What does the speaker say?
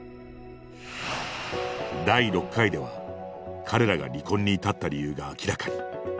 第６回では彼らが離婚に至った理由が明らかに。